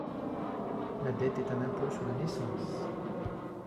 La dette est un impôt sur la naissance.